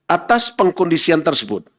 atas pengkondisian tersebut